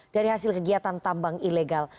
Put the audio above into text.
dari hasil kegiatan tambang ilegal